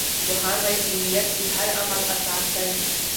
پوهان وایي چې نیت د هر عمل اساس دی.